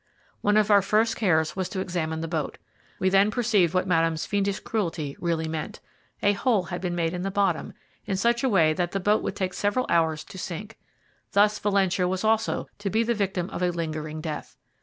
One of our first cares was to examine the boat. We then perceived what Madame's fiendish cruelty really meant. A hole had been made in the bottom in such a way that the boat would take several hours to sink. Thus Valentia was also to be the victim of a lingering death.